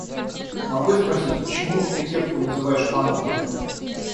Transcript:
Могу я спросить, почему ты кепку называешь панамой?